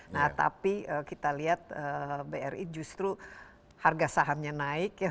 nah tapi kita lihat bri justru harga sahamnya naik ya